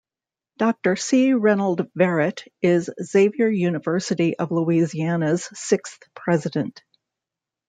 Doctor C. Reynold Verret is Xavier University of Louisiana's sixth president.